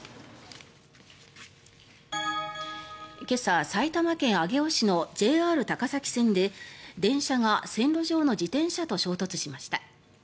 今朝、埼玉県上尾市のＪＲ高崎線で電車が線路上の自転車と衝突しました。